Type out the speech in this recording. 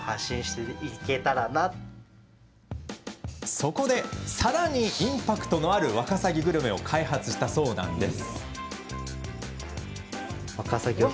そこで、さらにインパクトのあるワカサギグルメを開発したそうなんです。